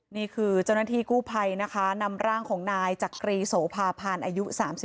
นี่คือเจ้าหน้าที่กู้ภัยนะคะนำร่างของนายจักรีโสภาพันธ์อายุ๓๒